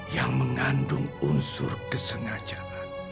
yang mengandung unsur kesengajaan